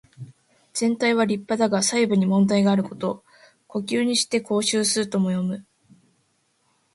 全体は立派だが細部に問題があること。「狐裘にして羔袖す」とも読む。